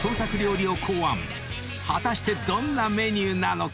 ［果たしてどんなメニューなのか⁉］